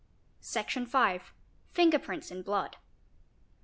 Section v.—Fingerprints in blood.